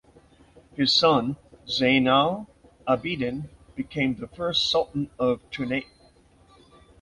His son Zainal Abidin became the first Sultan of Ternate.